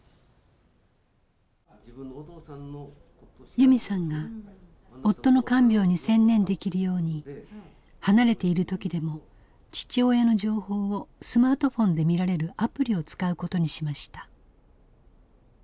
由美さんが夫の看病に専念できるように離れている時でも父親の情報をスマートフォンで見られるアプリを使うことにしました。